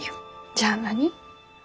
じゃあ何？